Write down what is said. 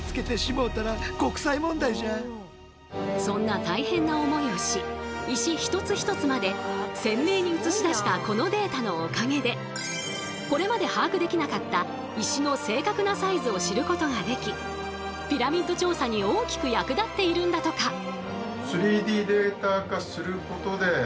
そんな大変な思いをし石一つ一つまで鮮明に映し出したこのデータのおかげでこれまで把握できなかった石の正確なサイズを知ることができピラミッド調査に大きく役立っているんだとか。